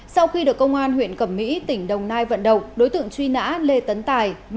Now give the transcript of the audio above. sau khi được công an huyện cẩm mỹ tỉnh đồng nai vận động đối tượng truy nã lê tấn tài